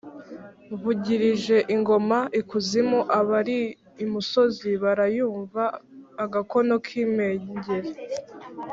mvugirije ingoma ikuzimu abari imusozi barayumva-agakono k'impengeri.